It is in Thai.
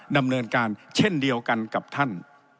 ดำเนินการเช่นเดียวกันกับท่าน